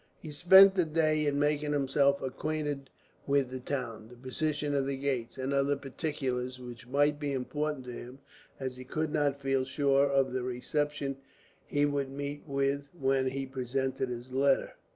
He spent the day in making himself acquainted with the town, the position of the gates, and other particulars which might be important to him; as he could not feel sure of the reception that he would meet with, when he presented his letter.